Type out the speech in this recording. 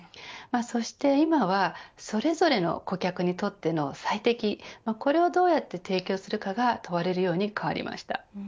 そして今はそれぞれの顧客にとっての最適、これをどうやって提供するかが問われるように変わりました。